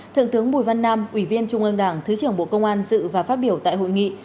thượng tướng bùi văn nam ủy viên trung ương đảng thứ trưởng bộ công an dự và phát biểu tại hội nghị